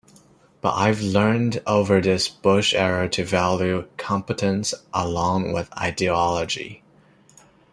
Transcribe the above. But I've learned over this Bush era to value competence along with ideology.